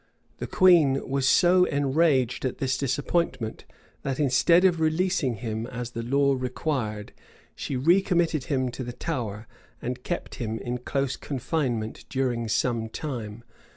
The queen was so enraged at this disappointment, that, instead of releasing him as the law required, she recommitted him to the Tower, and kept him in close confinement during some time.